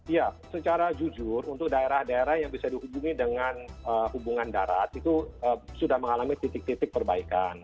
ya secara jujur untuk daerah daerah yang bisa dihubungi dengan hubungan darat itu sudah mengalami titik titik perbaikan